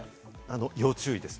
要注意です。